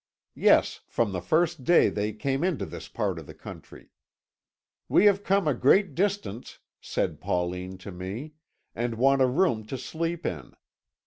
"Yes, from the first day they came into this part of the country. 'We have come a great distance,' said Pauline to me, 'and want a room to sleep in.'